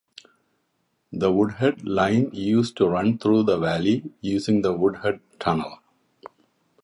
The Woodhead Line used to run though the valley using the Woodhead Tunnel.